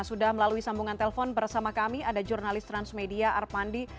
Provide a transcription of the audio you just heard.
sudah melalui sambungan telepon bersama kami ada jurnalis transmedia arpandi